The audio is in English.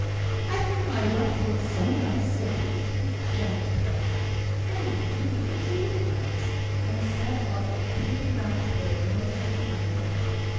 "I think my ruff looks so nice," said Ruth, with gentle pleasure. And indeed it did look nice, and set off the pretty round throat most becomingly.